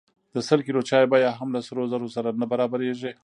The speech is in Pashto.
د سل کیلو چای بیه هم له سرو زرو سره نه برابریږي.